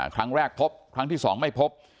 ครั้งแรกพบครั้งที่๒ไม่พบ